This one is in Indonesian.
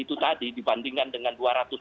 itu tadi dibandingkan dengan dua ratus tujuh puluh